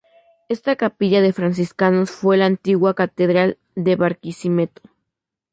Esta capilla de Franciscanos fue la antigua Catedral de Barquisimeto.